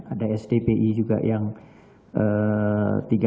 ada sdpi juga yang tiga